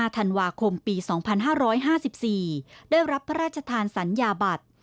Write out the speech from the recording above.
ธันวาคมปี๒๕๕๔ได้รับพระราชทานสัญญาบัตร